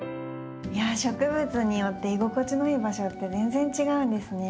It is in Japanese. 植物によって居心地のいい場所って全然違うんですね。